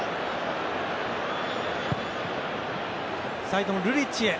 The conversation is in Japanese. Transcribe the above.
サイドのルリッチへ。